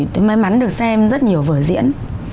tôi may mắn được xem rất nhiều vở diễn